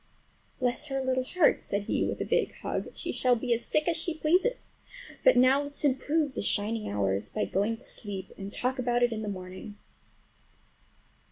"Bless her little heart!" said he with a big hug; "she shall be as sick as she pleases! But now let's improve the shining hours by going to sleep, and talk about it in the morning!"